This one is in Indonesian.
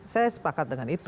saya sepakat dengan itu